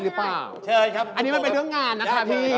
เชิญครับไม่ว่าใช่ค่ะแล้วเป็นเรื่องงานอันนี้มันเป็นเรื่องงานนะคะพี่